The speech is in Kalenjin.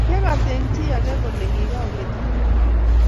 Kiakas eng chi ake kole kikaketun inendet